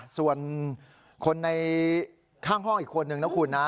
ส่วนคนในข้างห้องอีกคนนึงนะคุณนะ